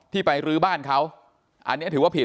ไปรื้อบ้านเขาอันนี้ถือว่าผิด